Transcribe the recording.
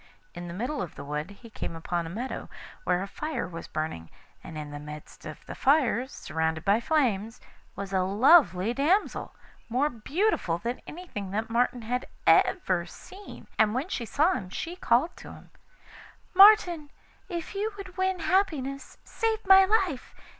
In the middle of the wood he came upon a meadow, where a fire was burning, and in the midst of the fire, surrounded by flames, was a lovely damsel, more beautiful than anything that Martin had ever seen, and when she saw him she called to him: 'Martin, if you would win happiness, save my life.